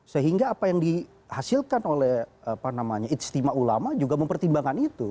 sehingga apa yang dihasilkan oleh istimewa ulama juga mempertimbangkan itu